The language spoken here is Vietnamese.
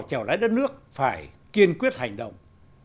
trèo lái đất nước phải kiên quyết hành động